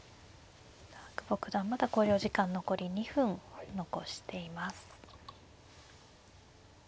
久保九段まだ考慮時間残り２分残しています。